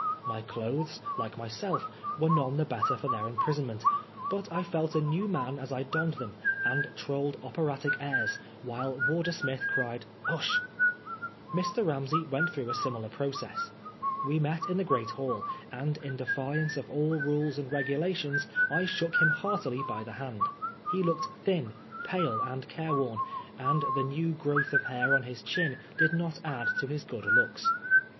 My clothes, like myself, were none the better for their imprisonment ; but I felt a new man as I donned them, and trolled operatic airs, while warder Smith cried," Hush r Mr. Ramsey went through a similar process. We met in the great hall, and in defiance of all rules and regulations, I shook him heartily by the hand. He looked thin, pale, and careworn ; and the new growth of hair on his chin did not add to his good looks.